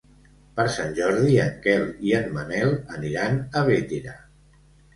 Per Sant Jordi en Quel i en Manel aniran a Bétera.